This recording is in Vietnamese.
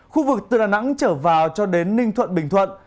khu vực từ đà nẵng trở vào cho đến ninh thuận bình thuận